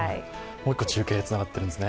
もう１個、中継、つながっているんですね。